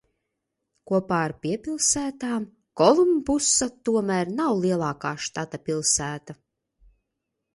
Kopā ar piepilsētām Kolumbusa tomēr nav lielākā štata pilsēta.